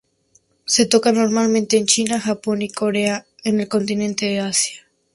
Se toca normalmente en China, Japón y Corea en el continente de Asia.